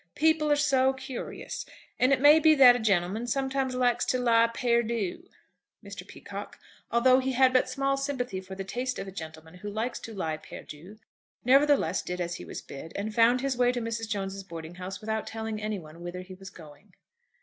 People are so curious; and it may be that a gentleman sometimes likes to lie perdu." Mr. Peacocke, although he had but small sympathy for the taste of a gentleman who likes to lie perdu, nevertheless did as he was bid, and found his way to Mrs. Jones's boarding house without telling any one whither he was going.